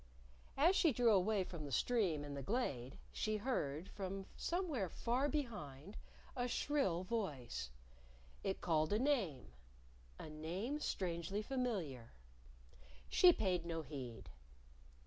As she drew away from the stream and the glade, she heard, from somewhere far behind, a shrill voice. It called a name a name strangely familiar. She paid no heed.